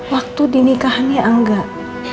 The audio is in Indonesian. waktu dinikahannya anggap